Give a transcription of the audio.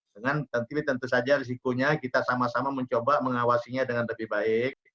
dengan tentu saja risikonya kita sama sama mencoba mengawasinya dengan lebih baik